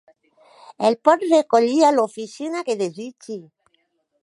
El pot recollir a l'oficina que desitgi.